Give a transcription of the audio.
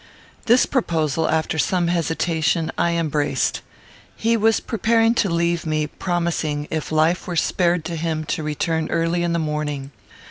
This proposal, after some hesitation, I embraced. He was preparing to leave me, promising, if life were spared to him, to return early in the morning.